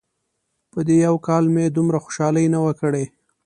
په دې یو کال مو دومره خوشحالي نه وه کړې.